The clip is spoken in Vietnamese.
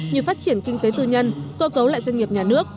như phát triển kinh tế tư nhân cơ cấu lại doanh nghiệp nhà nước